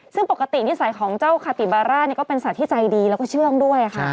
ซึ่งปกตินิสัยของเจ้าคาติบาร่าก็เป็นสัตว์ที่ใจดีแล้วก็เชื่องด้วยค่ะ